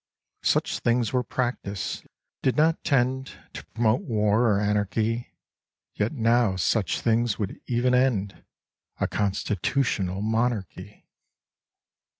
Such things were practised — did not tend To promote vvar or anarchy — Yet now such things would even end A Constitutional Monarchy.